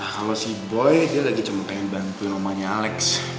kalau si boy dia lagi cuma pengen bantuin rumahnya alex